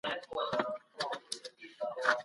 که زه رښتيا ونه وايم، وجدان به مي نا ارامه وي.